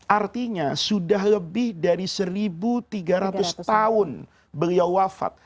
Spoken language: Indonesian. artinya sudah lebih dari satu tiga ratus tahun beliau wafat